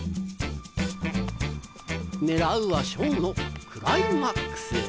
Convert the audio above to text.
狙うはショーのクライマックス。